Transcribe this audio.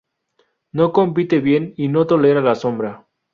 No compite bien y no tolera la sombra.